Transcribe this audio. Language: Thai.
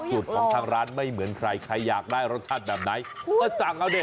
ของทางร้านไม่เหมือนใครใครอยากได้รสชาติแบบไหนก็สั่งเอาดิ